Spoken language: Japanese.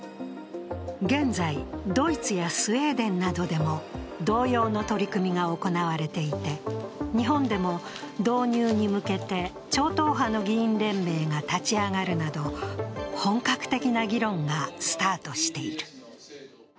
現在、ドイツやスウェーデンなどでも同様の取り組みが行われていて日本でも導入に向けて超党派の議員連盟が立ち上がるなど本格的な議論がスタートしている。